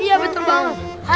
iya betul banget